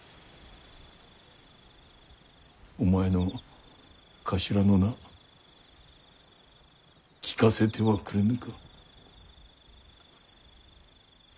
お前の頭の名聞かせてはくれぬか？